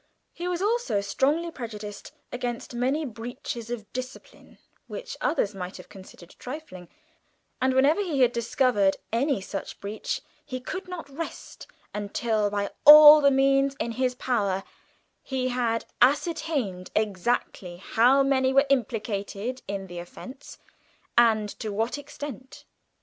He was also strongly prejudiced against many breaches of discipline which others might have considered trifling, and whenever he had discovered any such breach he could not rest until by all the means in his power he had ascertained exactly how many were implicated in the offence, and to what extent.